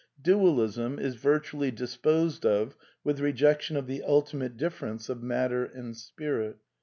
Dualism is " vir tually disposed of with rejection of the ultimate difference of Matter and Spirit.")